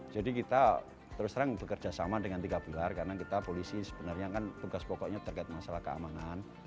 jadi kita terus terang bekerja sama dengan tiga pilar karena kita polisi sebenarnya kan tugas pokoknya terkait masalah keamanan